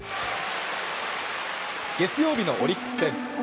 月曜日のオリックス戦。